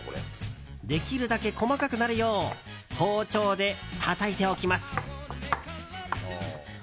できるだけ細かくなるよう包丁で、たたいておきます。